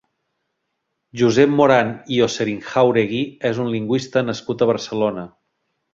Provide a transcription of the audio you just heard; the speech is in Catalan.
Josep Moran i Ocerinjauregui és un lingüista nascut a Barcelona.